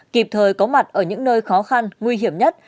kịp thời có mặt ở những nơi khó khăn nguy hiểm nhất